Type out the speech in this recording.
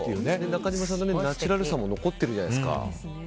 中島さんのナチュラルさも残っているじゃないですか。